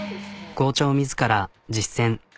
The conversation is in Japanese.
校長自ら実践。